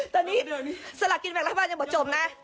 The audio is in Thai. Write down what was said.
ตอนนี้สลักกินแม่งทำมันยังไม่จบนะ